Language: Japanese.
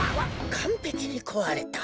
かんぺきにこわれた。